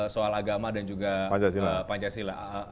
soal agama dan juga pancasila